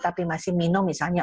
tapi masih minum misalnya